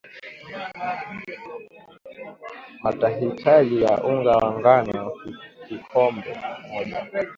Matahitaji ya unga wa ngano kikombe moja